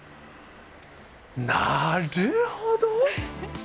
なるほど！